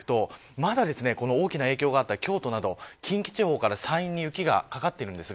まだ大きな影響があった京都など近畿地方から山陰に雪がかかっています。